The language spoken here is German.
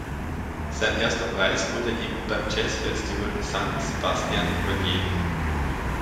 Sein erster Preis wurde ihm beim Jazzfestival San Sebastian übergeben.